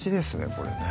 これね